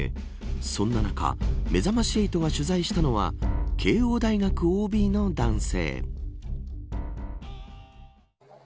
そんな中めざまし８が取材したのは慶応大学ＯＢの男性。